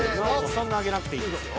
そんな上げなくていいですよ。